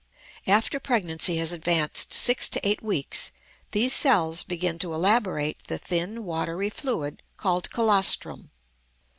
After pregnancy has advanced six to eight weeks these cells begin to elaborate the thin, watery fluid called colostrum.